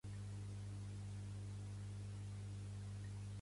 He d'anar de la plaça d'Henry Dunant al carrer de Balenyà.